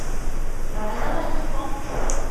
哪來的麥克風